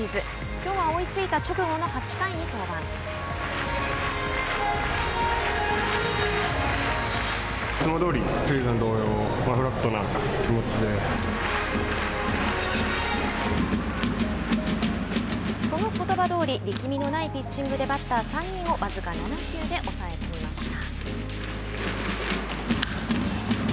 きょうは追いついた直後の８回にそのことばどおり力みのないピッチングでバッター３人を僅か７球で抑え込みました。